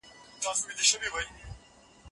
څوک د ملکیت د حقونو ساتنه کوي؟